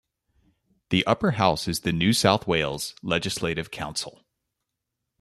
The upper house is the New South Wales Legislative Council.